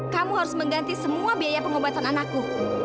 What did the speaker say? kamu harus mengganti semua biaya pengobatan anakku